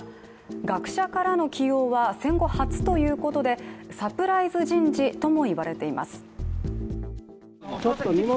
学者からの起用は戦後初ということで、サプライズ人事とも言われています。